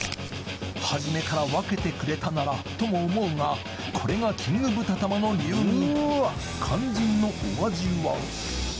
「初めから分けてくれたなら」とも思うがこれがキング豚玉の流儀肝心のお味は？